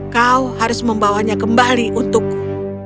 kau harus membawanya kembali untukku